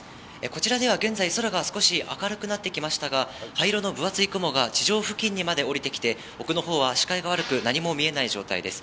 こちらでは、現在、空が少し明るくなってきましたが、灰色の分厚い雲が地上付近にまで降りてきて、奥の方は視界が悪く、何も見えない状態です。